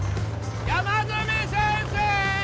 山住先生！